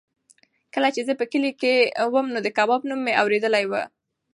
کله چې زه په کلي کې وم نو د کباب نوم مې اورېدلی و.